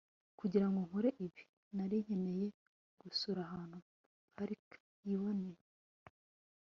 kugira ngo nkore ibi, nari nkeneye gusura ahantu parker yiboneye